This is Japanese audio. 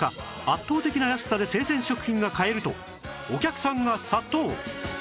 圧倒的な安さで生鮮食品が買えるとお客さんが殺到